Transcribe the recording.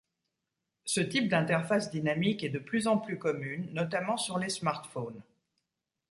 Ce type d'interface dynamique est de plus en plus commune, notamment sur les smartphones.